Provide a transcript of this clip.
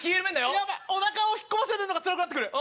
おなかを引っ込ませるのがつらくなってくる。